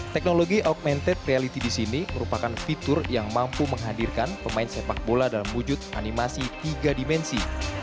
teknologi augmented reality di sini merupakan fitur yang mampu menghadirkan pemain sepak bola dalam wujud animasi tiga dimensi